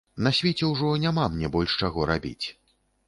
На свеце ўжо няма мне больш чаго рабіць.